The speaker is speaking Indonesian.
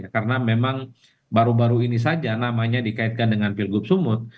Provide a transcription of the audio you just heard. karena memang baru baru ini saja namanya dikaitkan dengan pilkud sumut